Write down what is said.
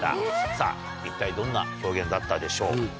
さぁ一体どんな表現だったでしょうか？